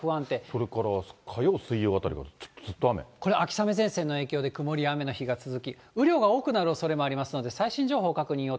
それから火曜、これ、秋雨前線の影響で、曇りや雨の日が続き、雨量が多くなるおそれがありますので、最新情報確認を。